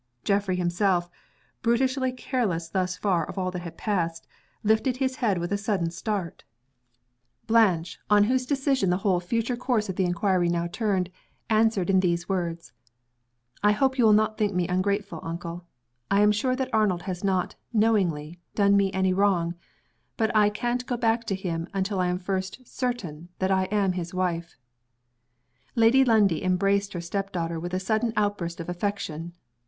Geoffrey himself brutishly careless thus far of all that had passed lifted his head with a sudden start. In the midst of the profound impression thus produced, Blanche, on whose decision the whole future course of the inquiry now turned, answered in these words: "I hope you will not think me ungrateful, uncle. I am sure that Arnold has not, knowingly, done me any wrong. But I can't go back to him until I am first certain that I am his wife." Lady Lundie embraced her step daughter with a sudden outburst of affection.